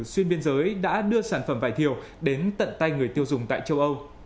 xuyên biên giới đã đưa sản phẩm vải thiều đến tận tay người tiêu dùng tại châu âu